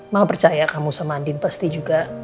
mama percaya kamu sama andin pasti juga